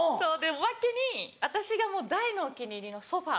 おまけに私が大のお気に入りのソファ。